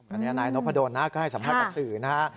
อันนี้นายนพะโดนนะฮะก็ให้สัมภัยกับสื่อนะฮะ